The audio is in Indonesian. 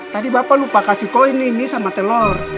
tadi bapak lupa kasih koin ini sama telur